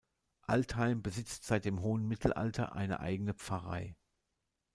Altheim besitzt seit dem hohen Mittelalter eine eigene Pfarrei.